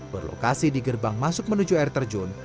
berlokasi di gerbang masuk menuju air terjun